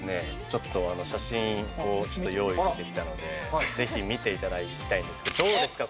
ちょっと写真をちょっと用意してきたので是非見ていただきたいんですけどどうですか？